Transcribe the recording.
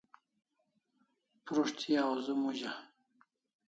Prus't thi awzu muza